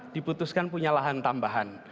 diputuskan punya lahan tambahan